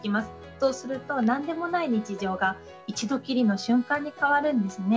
そうすると、なんでもない日常が一度きりの瞬間に変わるんですよね。